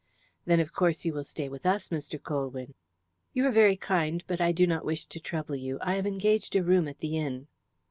"Then of course you will stay with us, Mr. Colwyn." "You are very kind, but I do not wish to trouble you. I have engaged a room at the inn."